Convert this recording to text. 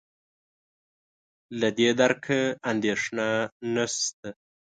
له دې درکه اندېښنه نشته.